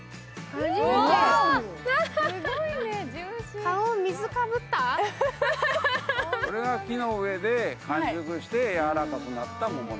それが木の上で完熟したやわらかくなった桃。